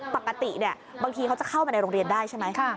ปกติบางทีเขาจะเข้ามาในโรงเรียนได้ใช่ไหม